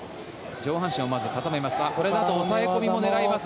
上半身をまず固めます。